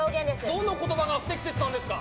「どの言葉が不適切なんですか？」